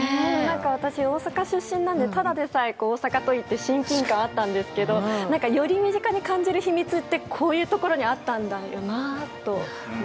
私、大阪出身なんでただでさえ大阪桐蔭って親近感あったんですけどより身近に感じる秘密ってこういうところにあったんだなと。